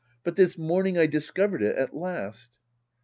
But this morning I discovered it at last.